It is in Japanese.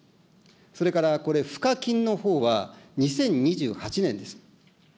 それからこれ、賦課金のほうは、２０２８年です。